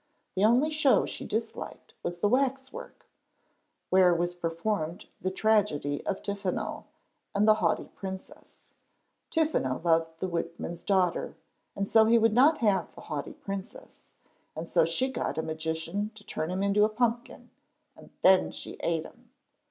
The only show she disliked was the wax work, where was performed the "Tragedy of Tiffano and the Haughty Princess." Tiffano loved the woodman's daughter, and so he would not have the Haughty Princess, and so she got a magician to turn him into a pumpkin, and then she ate him.